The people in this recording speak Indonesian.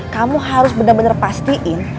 kamu harus bener bener pastiin